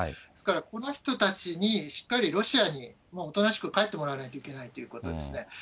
ですからこの人たちに、しっかりロシアにおとなしく帰ってもらわないといけないということですね。